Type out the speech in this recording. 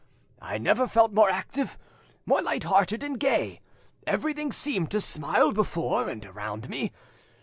I never felt more active, more light hearted and gay; everything seemed to smile before and around me.